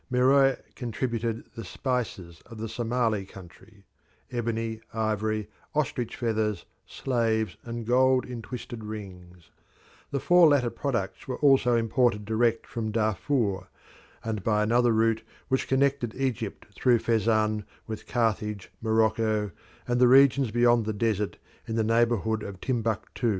Meroe contributed the spices of the Somali country, ebony, ivory, ostrich feathers, slaves, and gold in twisted rings; the four latter products were also imported direct from Darfour, and by another route which connected Egypt through Fezzan with Carthage, Morocco, and the regions beyond the desert in the neighbourhood of Timbuktu.